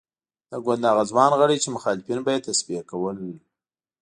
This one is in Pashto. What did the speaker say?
د ګوند هغه ځوان غړي چې مخالفین به یې تصفیه کول.